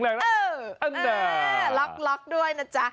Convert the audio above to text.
เออลักด้วยนะจ๊ะ